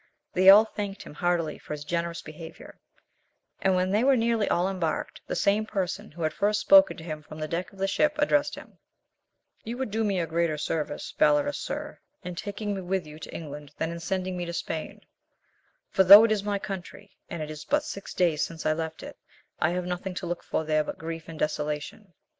They all thanked him heartily for his generous behaviour, and when they were nearly all embarked, the same person who had first spoken to him from the deck of the ship, addressed him, "You would do me a greater service, valorous sir, in taking me with you to England than in sending me to Spain; for, though it is my country, and it is but six days since I left it, I have nothing to look for there but grief and desolation.